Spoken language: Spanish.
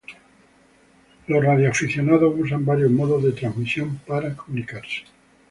Los radioaficionados usan varios modos de transmisión para comunicarse.